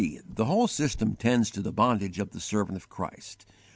The whole system tends to the bondage of the servant of Christ.